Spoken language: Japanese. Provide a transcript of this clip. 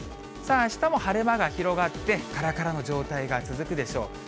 あしたも晴れ間が広がって、からからの状態が続くでしょう。